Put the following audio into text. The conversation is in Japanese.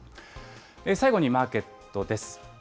最後にマーケットです。